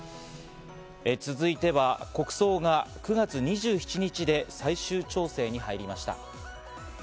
続いては、国葬が９月２７日で最終調整に入りました。